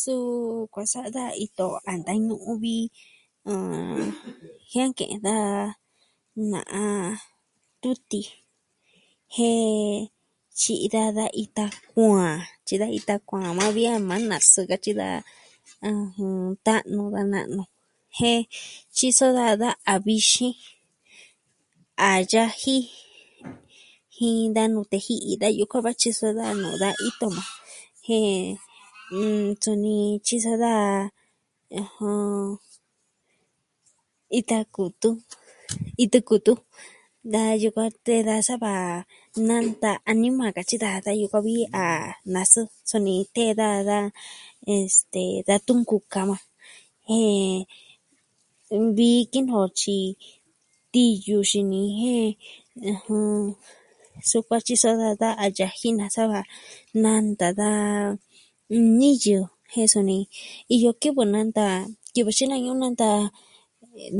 Suu, kuaa sa'a daa ito a ntañu'un vi, ah.... jianke'e daa na'a tutin, jen ita tyi'i daja da ita kuaan, tyi'i daja ita kuaan majan vi a majan nasɨɨ katyi daja ah.... ta'nu va na'nu jen tyiso daja da a vixin, a yaji jin da nute ji'i, da yukuan va tyiso daja nuu da ito maa jen, mm... suni tyiso daja ita kutu, itu kutu. Da yukuan tɨɨ da saa va nanta anima a katyi daja da yukuan vi a nasɨɨ. Suni tee daja da este, da tunkukama jen, vi kinoo tyi tiyu xini jen, sukuan tyi sa'a daja da a yaji nasava, nanta da niyɨ, jen suni, iyo kivɨ nanta, kivɨ xina'ñu nanta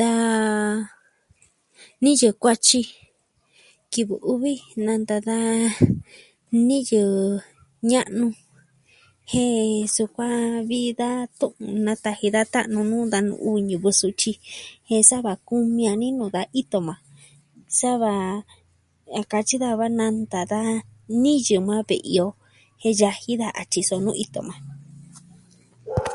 da niyɨ kuatyi. Kivɨ uvi nanta da niyɨ ña'nu. jen sukuan vi da tu'un nataji da ta'nu nuu da nu'u ñivɨ sutyi, jen sava kumi a ni nuu ka ito maa, sava a katyi daa va nanta daja niyɨ maa ve'i o jen yaji daja a tyiso nuu ito majan.